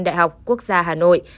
đại học quốc gia hà nội